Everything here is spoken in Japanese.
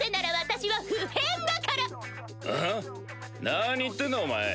何言ってんだお前。